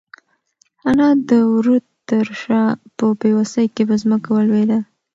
انا د وره تر شا په بېوسۍ کې په ځمکه ولوېده.